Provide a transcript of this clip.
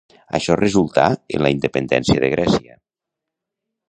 Això resultà en la independència de Grècia.